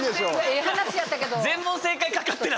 ええ話やったけど。